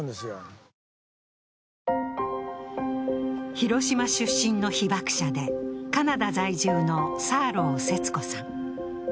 広島出身の被爆者でカナダ在住のサーロー節子さん。